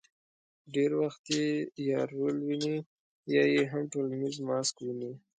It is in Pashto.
ډېر وخت یې یا رول ویني، یا یې هم ټولنیز ماسک ویني.